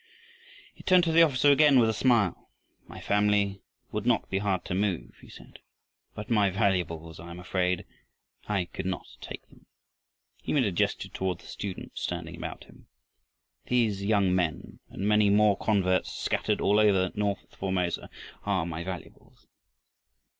He turned to the officer again with a smile. "My family would not be hard to move," he said, "but my valuables I am afraid I could not take them." He made a gesture toward the students standing about him. "These young men and many more converts scattered all over north Formosa, are my valuables.